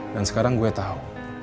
dan sekarang gue tau